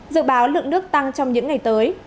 dự báo lượng nước tăng trong những ngày tới